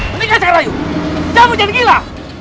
meninggalkan sekar ayu jangan bergila